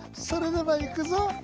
それではいくぞ。